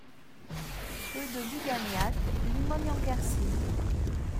Rue de Lugagnac, Limogne-en-Quercy